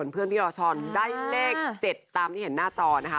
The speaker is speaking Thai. เพื่อนพี่รอชอนได้เลข๗ตามที่เห็นหน้าจอนะคะ